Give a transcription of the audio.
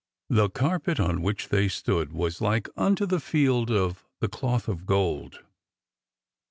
The carpet on which they stood was like unto the field of the cloth of gold.